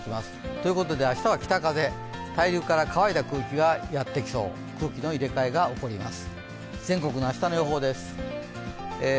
ということで明日は北風大陸から乾いた空気がやってきそう、空気の入れ替えが起こります。